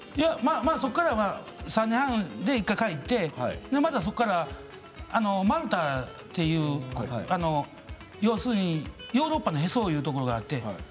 そこから３年半で１回帰ってそこからマルタという要するに、ヨーロッパのへそというところがあって。